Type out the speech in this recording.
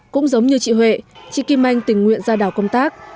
cũng giống như chị huệ chị kim anh tình nguyện ra đảo công tác